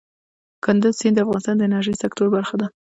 کندز سیند د افغانستان د انرژۍ سکتور برخه ده.